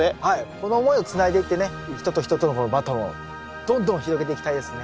この思いをつないでいってね人と人とのバトンをどんどん広げていきたいですね。